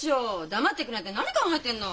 黙って行くなんて何考えてんの？